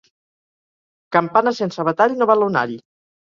Campana sense batall no val un all.